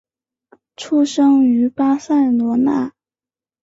出生于巴塞罗那。